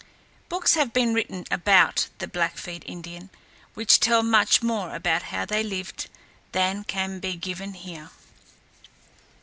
Books have been written about the Blackfeet Indians which tell much more about how they lived than can be given here.